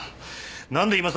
何で今更